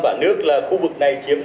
dự vững chủ quyền